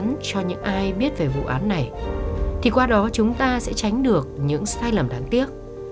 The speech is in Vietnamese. nếu chúng ta có một vụ án cho những ai biết về vụ án này thì qua đó chúng ta sẽ tránh được những sai lầm đáng tiếc